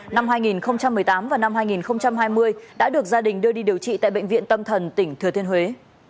năm hai nghìn một mươi tám và năm hai nghìn hai mươi đã được gia đình đưa đi điều trị tại bệnh viện tâm thần tỉnh thừa thiên huế